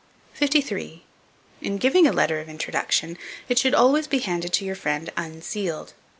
53. IN GIVING A LETTER OF INTRODUCTION, it should always be handed to your friend, unsealed.